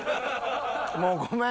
もうごめん。